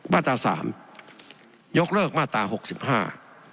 มาตราสามยกเลิกมาตราหกสิบห้า